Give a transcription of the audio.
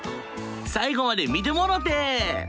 最後まで見てもろて！